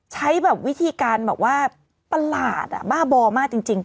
ใช้แบบวิธีการแบบว่าประหลาดบ้าบอมากจริง